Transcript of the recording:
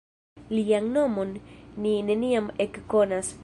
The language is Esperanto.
Lian nomon ni neniam ekkonas.